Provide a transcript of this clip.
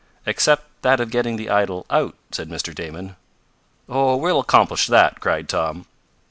"Except that of getting the idol out," said Mr. Damon. "Oh, we'll accomplish that!" cried Tom.